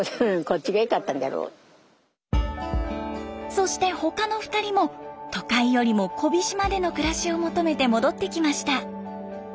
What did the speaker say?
そして他の２人も都会よりも小飛島での暮らしを求めて戻ってきました。